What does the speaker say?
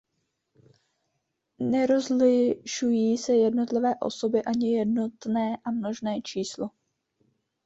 Nerozlišují se jednotlivé osoby ani jednotné a množné číslo.